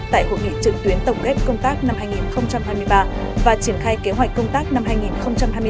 tại hội nghị trực tuyến tổng kết công tác năm hai nghìn hai mươi ba và triển khai kế hoạch công tác năm hai nghìn hai mươi bốn